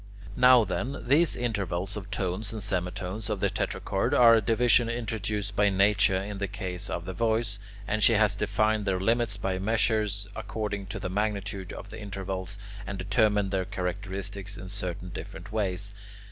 Now then, these intervals of tones and semitones of the tetrachord are a division introduced by nature in the case of the voice, and she has defined their limits by measures according to the magnitude of the intervals, and determined their characteristics in certain different ways.